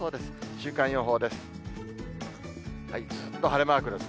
週間予報です。